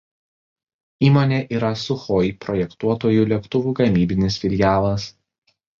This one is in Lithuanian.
Įmonė yra „Suchoj“ projektuotojų lėktuvų gamybinis filialas.